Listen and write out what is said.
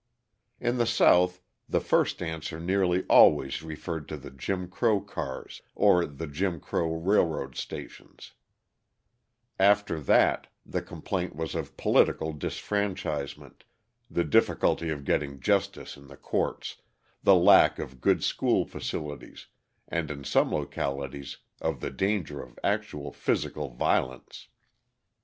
In the South the first answer nearly always referred to the Jim Crow cars or the Jim Crow railroad stations; after that, the complaint was of political disfranchisement, the difficulty of getting justice in the courts, the lack of good school facilities, and in some localities, of the danger of actual physical violence.